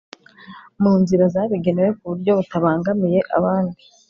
mu nzira zabigenewe kuburyo butabangamiye abandi